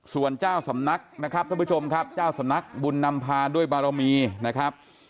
ส่วนเจ้าสำนักนะครับท่านผู้ชมครับเจ้าสำนักบุญนำพาด้วยบารมีนะครับ